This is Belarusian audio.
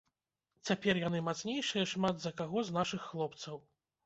Цяпер яны мацнейшыя шмат за каго з нашых хлопцаў.